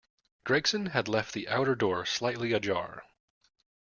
Gregson had left the outer door slightly ajar.